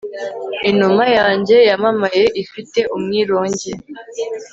inuma yanjye yamamaye ifite umwironge